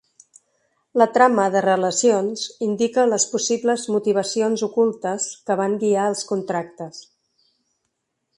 La trama de relacions indica les possibles motivacions ocultes que van guiar els contractes.